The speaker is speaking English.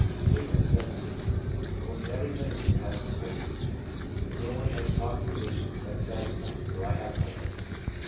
F., 17. 1 Almost every minister has disgusted me. No one has talked a religion that satisfied me, so I have my own.'